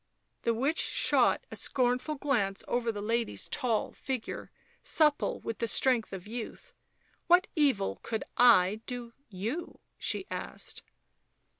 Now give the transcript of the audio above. The witch shot a scornful glance over the lady's tall figure, supple with the strength of youth. " What evil could 1 do you ?" she asked.